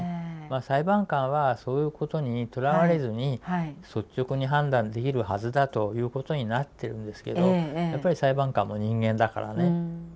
裁判官はそういうことにとらわれずに率直に判断できるはずだということになってるんですけどやっぱり裁判官も人間だからね。